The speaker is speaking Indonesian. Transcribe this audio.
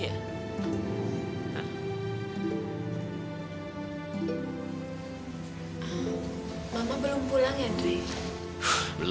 kok aku malah mikir kayak gitu